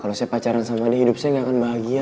kalau saya pacaran sama di hidup saya gak akan bahagia